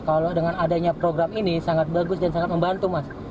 kalau dengan adanya program ini sangat bagus dan sangat membantu mas